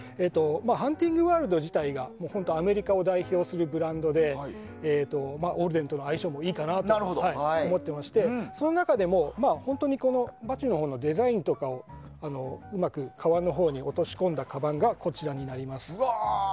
ハンティング・ワールド自体がアメリカを代表するブランドでオールデンとの相性もいいかなと思っておりましてその中でも、デザインとかをうまくカバンのほうに落とし込んだカバンがこちらです。